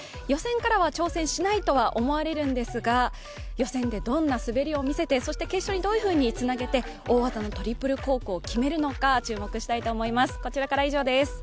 予選からは挑戦しないとは思われるんですが予選でどんな滑りを見せて決勝にどういうふうにつなげて大技のトリプルコークを決めるのか注目したいと思います。